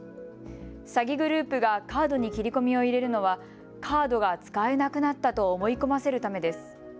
詐欺グループがカードに切り込みを入れるのはカードが使えなくなったと思い込ませるためです。